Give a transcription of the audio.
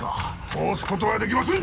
通す事はできません。